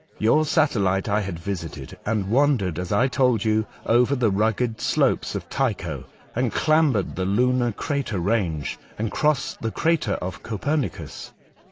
Your satellite I bad visited and wandered, as I told you, over tbe rugged slopes of Tycbo, and clambered tbe lunar crater range, and crossed tbe crater of Copernicus.